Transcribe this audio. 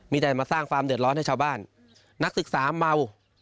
ได้มาสร้างความเดือดร้อนให้ชาวบ้านนักศึกษาเมา